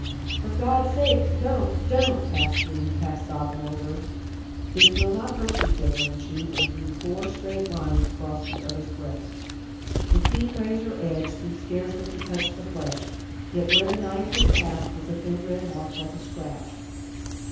"For God's sake don't, don't," half screamed, half sobbed Milburgh. "This will not hurt you," said Ling Chu, and drew four straight lines across the other's breast. The keen razor edge seemed scarcely to touch the flesh, yet where the knife had passed was a thin red mark like a scratch.